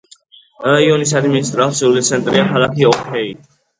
რაიონის ადმინისტრაციული ცენტრია ქალაქი ორჰეი.